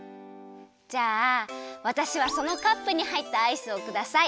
じゃあわたしはそのカップにはいったアイスをください。